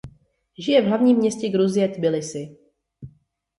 Žije v hlavním městě Gruzie Tbilisi.